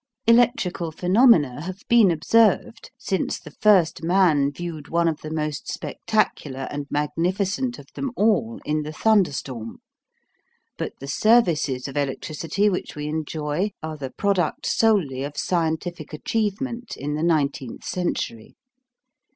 Electrical phenomena have been observed since the first man viewed one of the most spectacular and magnificent of them all in the thunderstorm, but the services of electricity which we enjoy are the product solely of scientific achievement in the nineteenth century.